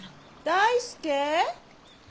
・大介？